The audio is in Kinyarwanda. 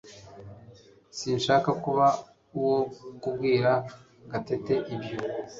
Sinshaka kuba uwo kubwira Gatete ibyo